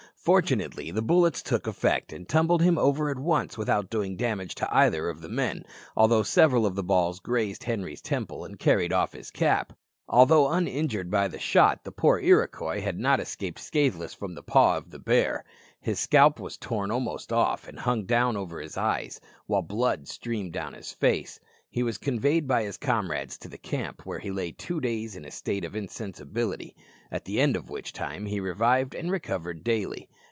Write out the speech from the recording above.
Fortunately the bullets took effect, and tumbled him over at once without doing damage to either of the men, although several of the balls just grazed Henri's temple and carried off his cap. Although uninjured by the shot, the poor Iroquois had not escaped scathless from the paw of the bear. His scalp was torn almost off, and hung down over his eyes, while blood streamed down his face. He was conveyed by his comrades to the camp, where he lay two days in a state of insensibility, at the end of which time he revived and recovered daily.